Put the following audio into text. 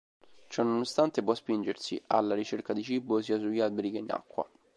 Ciononostante, può spingersi alla ricerca di cibo sia sugli alberi che in acqua.